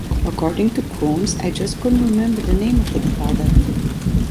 According to Coombs: I just couldn't remember the name of the product.